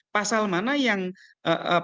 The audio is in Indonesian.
pasal mana yang tepat untuk memaksa